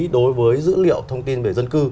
đối với dữ liệu thông tin về dân cư